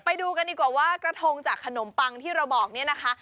ไปดูกันดีกว่าว่ากระทงจากขนมปังที่เราบอกเนี่ยนะคะ